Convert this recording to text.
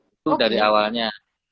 itu dari awalnya